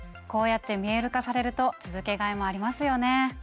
こうやって見える化されると続けがいもありますよね。